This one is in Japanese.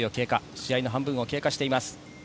試合半分を警戒しています。